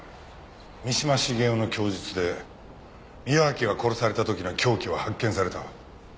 三島茂夫の供述で宮脇が殺された時の凶器は発見された。